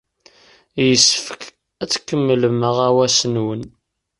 Yessefk ad tkemmlem aɣawas-nwen.